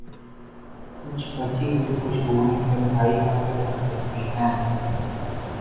کچھ بچی ہوئی خوشبویں تنہائی کا سفر کرتی ہیں۔